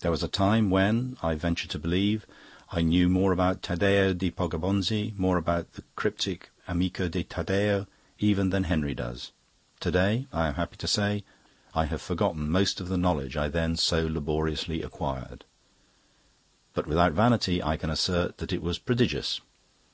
There was a time when, I venture to believe, I knew more about Taddeo da Poggibonsi, more about the cryptic Amico di Taddeo, even than Henry does. To day, I am happy to say, I have forgotten most of the knowledge I then so laboriously acquired; but without vanity I can assert that it was prodigious.